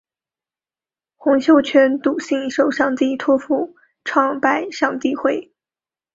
洪秀全笃信受上帝托负创拜上帝会。